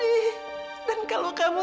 ibu nggak mau